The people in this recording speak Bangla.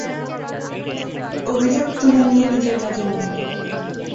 অভিযোগ তুলে নিয়ে নিজের কাজে মন দাও।